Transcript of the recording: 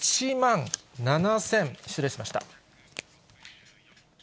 １万７０００、失礼しました。